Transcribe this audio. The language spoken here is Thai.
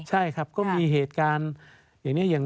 ใช่ครับก็มีเหตุการณ์อย่างนี้